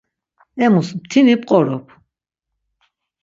Emus mtini p̌qorop.